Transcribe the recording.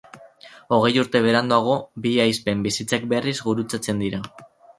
Hogei urte beranduago, bi ahizpen bizitzak berriz gurutzatzen dira.